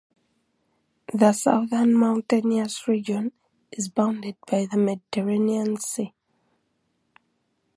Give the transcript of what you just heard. The southern mountainous region is bounded by the Mediterranean Sea.